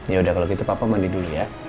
yaudah kalau gitu papa mandi dulu ya